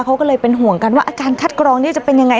เขาก็เลยเป็นห่วงกันว่าอาการคัดกรองนี้จะเป็นยังไง